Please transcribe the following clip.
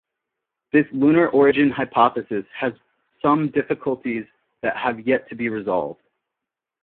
This lunar origin hypothesis has some difficulties that have yet to be resolved.